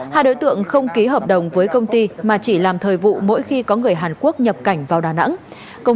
hai đối tượng không ký hợp đồng với công ty mà chỉ làm thời vụ mỗi khi có người hàn quốc nhập cảnh vào đà nẵng